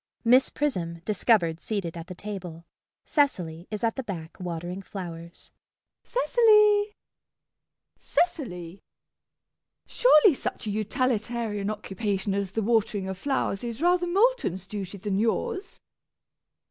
[Miss Prism discovered seated at the table. Cecily is at the back watering flowers.] MISS PRISM. [Calling.] Cecily, Cecily! Surely such a utilitarian occupation as the watering of flowers is rather Moulton's duty than yours?